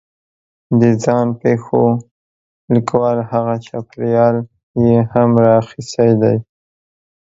د ځان پېښو لیکوال هغه چاپېریال یې هم را اخستی دی